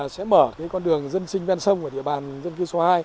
sẽ mở con đường dân sinh ven sông ở địa bàn dân cư số hai